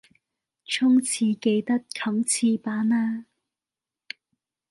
沖廁記得冚廁板呀